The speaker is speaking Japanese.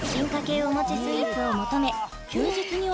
おもちスイーツを求め